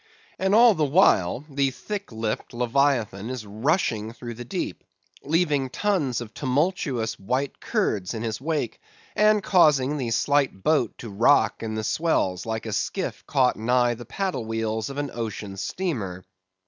And all the while the thick lipped leviathan is rushing through the deep, leaving tons of tumultuous white curds in his wake, and causing the slight boat to rock in the swells like a skiff caught nigh the paddle wheels of an ocean steamer.